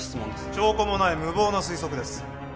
証拠もない無謀な推測です